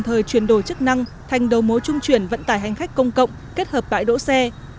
thời chuyển đổi chức năng thành đầu mối trung chuyển vận tải hành khách công cộng kết hợp bãi đỗ xe